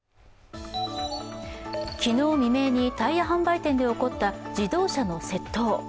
昨日未明にタイヤ販売店で起こった自動車の窃盗。